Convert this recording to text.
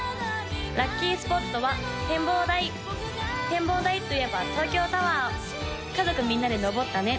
・ラッキースポットは展望台展望台といえば東京タワー家族みんなでのぼったね・